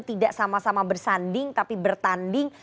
tidak sama sama bersanding tapi bertanding